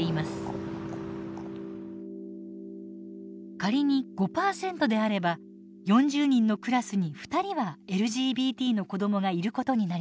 仮に５％であれば４０人のクラスに２人はＬＧＢＴの子どもがいることになります。